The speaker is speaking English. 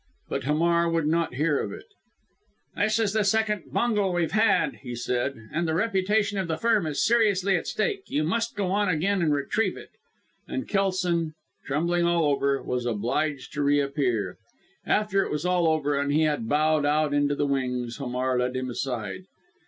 But Hamar would not hear of it. "This is the second bungle we have had," he said, "and the reputation of the firm is seriously at stake. You must go on again and retrieve it." And Kelson, trembling all over, was obliged to reappear. After it was all over, and he had bowed himself out into the wings, Hamar led him aside.